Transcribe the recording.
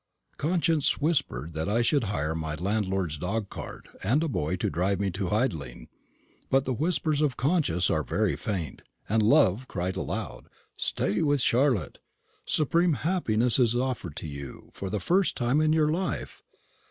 Conscience whispered that I could hire my landlord's dog cart, and a boy to drive me to Hidling; but the whispers of conscience are very faint; and love cried aloud, "Stay with Charlotte: supreme happiness is offered to you for the first time in your life.